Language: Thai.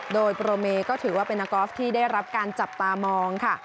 โดยโปรเมก็ถือว่าเป็นนักกอล์ฟที่ได้รับการจับตามองค่ะ